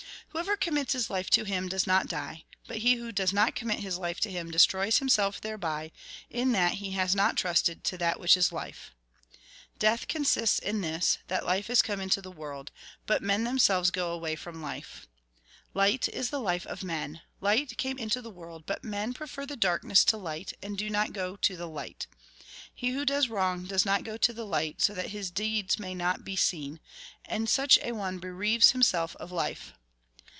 " Whoever commits his life to him does not die ; but he who does not commit his life to him destroys himself thereby, in that he has not trusted to that wliich is life. Death consists in this, that life is come into the world, but men themselves go away from life. " Light is the life of men ; light came into the world, but men prefer the darkness to light, and do not go to the light. He who does wrong does not go to the light, so that his deeds may not be seen, and such a one bereaves himself of life.